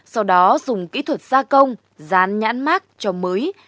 sau đó dùng kỹ thuật gia công dán nhãn mát cho mới